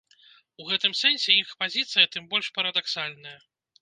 У гэтым сэнсе іх пазіцыя тым больш парадаксальная.